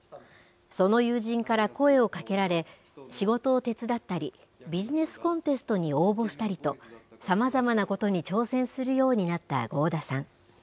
その友人から声をかけられ、仕事を手伝ったり、ビジネスコンテストに応募したりと、さまざまなことに挑戦するようになった合田さん。